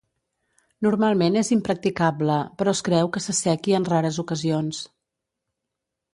Normalment és impracticable, però es creu que s'assequi en rares ocasions.